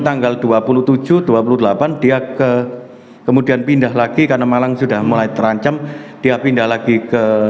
tanggal dua puluh tujuh dua puluh delapan dia ke kemudian pindah lagi karena malang sudah mulai terancam dia pindah lagi ke